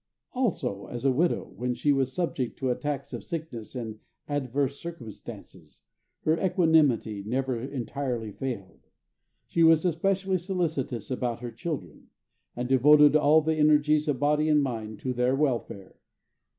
Also, as a widow, when she was subject to attacks of sickness and adverse circumstances, her equanimity never entirely failed. She was especially solicitous about her children, and devoted all the energies of body and mind to their welfare.